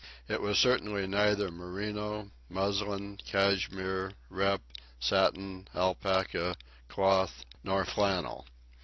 It was certainly neither merino, muslin, cashmere, rep, satin, alpaca, cloth, nor flannel.